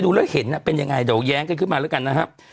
หรือเป็นยังไงเดี๋ยวย้างกันขึ้นมาแล้วกันนะครับ